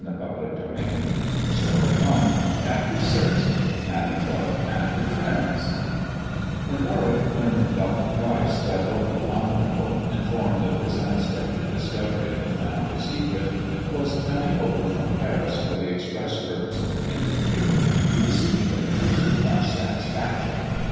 THE dwarf's chamber 43 CHAPTER VI MADAM TOT AND HER FBIENDS WHEN Warwick learned from Dr. Pryce that Lord Lelanro, informed of his unexpected discovery of the family secret, was coming over from Paris for the express purpose of an interview, he received the news with much satisfaction.